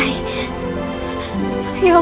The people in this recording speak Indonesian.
i ft kebun